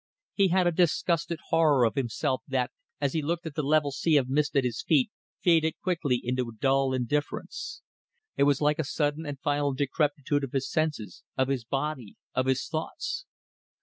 He had a disgusted horror of himself that, as he looked at the level sea of mist at his feet, faded quickly into dull indifference. It was like a sudden and final decrepitude of his senses, of his body, of his thoughts.